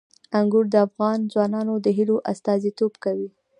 انګور د افغان ځوانانو د هیلو استازیتوب کوي.